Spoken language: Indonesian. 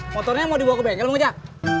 motornya mau dibawa ke bengkel mau ngejak